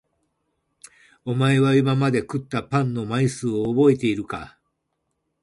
お前は今まで食ったパンの枚数を覚えているのか？